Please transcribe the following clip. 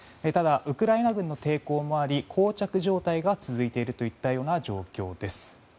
ただ、ウクライナ軍の抵抗もあり膠着状態が続いているといったような状況です。